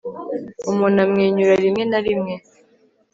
umuntu amwenyura rimwe na rimwe